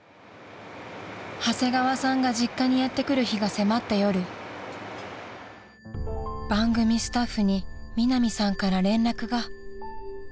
［長谷川さんが実家にやって来る日が迫った夜番組スタッフにミナミさんから連絡が］